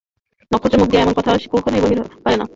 নক্ষত্রের মুখ দিয়া এমন কথা কখনোই বাহির হইতে পারে না।